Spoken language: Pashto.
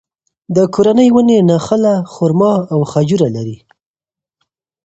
د کورنۍ ونې نخله، خورما او خجوره لري.